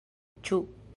ĉu